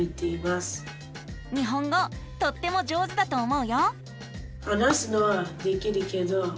日本語とっても上手だと思うよ。